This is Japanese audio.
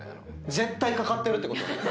絶対掛かってるってことね。